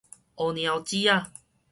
烏貓姐仔